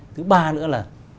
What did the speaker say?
thứ ba nữa là